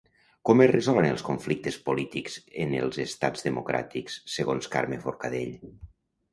Com es resolen els conflictes polítics en els estats democràtics segons Carme Forcadell?